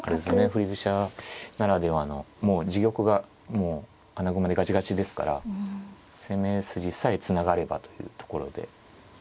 振り飛車ならではのもう自玉が穴熊でがちがちですから攻め筋さえつながればというところで。